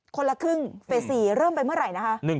คนละครึ่งเฟส๔เริ่มไปเมื่อไหร่นะคะ